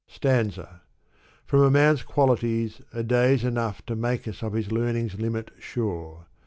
Stanza. From a man's qualities a day's enough To make us of his learning's limit sure.